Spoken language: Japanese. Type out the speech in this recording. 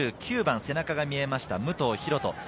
２９番、背中が見えました武藤尋斗。